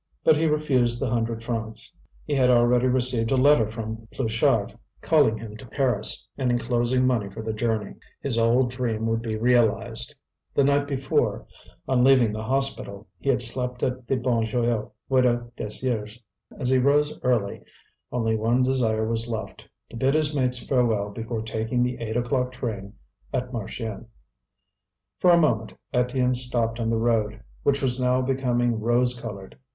But he refused the hundred francs. He had already received a letter from Pluchart, calling him to Paris, and enclosing money for the journey. His old dream would be realized. The night before, on leaving the hospital, he had slept at the Bon Joyeux, Widow Désir's. And he rose early; only one desire was left, to bid his mates farewell before taking the eight o'clock train at Marchiennes. For a moment Étienne stopped on the road, which was now becoming rose coloured.